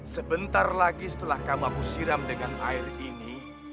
sebentar lagi setelah kamu siram dengan air ini